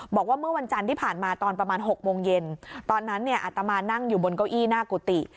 บอกว่าเมื่อวันจันทร์ที่ผ่านมาตอนประมาณ๖โมงเย็นตอนนั้นเนี่ยอัตมานั่งอยู่บนเก้าอี้หน้ากุฏิ